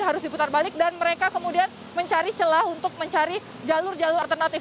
harus diputar balik dan mereka kemudian mencari celah untuk mencari jalur jalur alternatif